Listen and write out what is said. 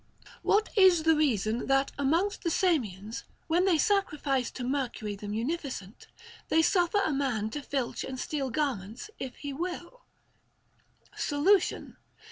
What is the reason that amongst the Samians, when they sacrifice to Mercury the munificent, they suffer a man to filch and steal garments if he will 1 Solution.